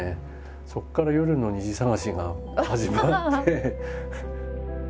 そこから夜の虹探しが始まって。